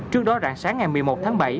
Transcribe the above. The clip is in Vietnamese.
trước đó rạng sáng ngày một mươi một tháng bảy